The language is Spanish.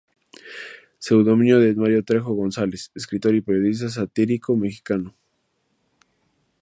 Pseudónimo de Mario Trejo González, escritor y periodista satírico mexicano.